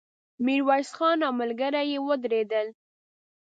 ميرويس خان او ملګري يې ودرېدل.